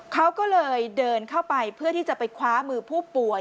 เขาก็เลยเดินเข้าไปเพื่อที่จะไปคว้ามือผู้ป่วย